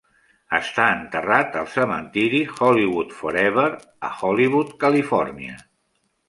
Està enterrat al cementiri Hollywood Forever, a Hollywood, Califòrnia.